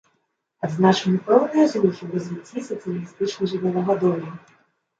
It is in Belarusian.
Адзначаны пэўныя зрухі ў развіцці сацыялістычнай жывёлагадоўлі.